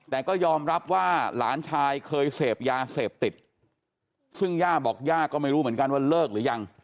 แต่ก็ยอมรับว่าหลานชายเคยเสพยาเสพติดซึ่งย่าบอกย่าก็ไม่รู้เหมือนกันว่าเลิกหรือยัง